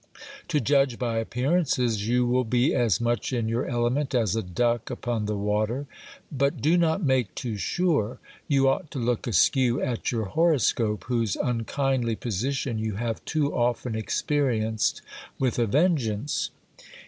To judge by ap pearances, you will be as much in your element as a duck upon the water. But do not make too sure ! you ought to look askew at your horoscope, whose unkindly position you have too often experienced with a vengeance.